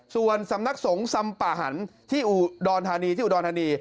ส่วนสำนักสงฆ์สัมปะหันที่อุดรธานี